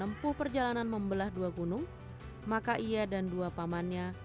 untuk berangkat menuju sekolah yang tak jauh dari rumahnya